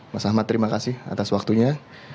mas ahmad terima kasih atas waktunya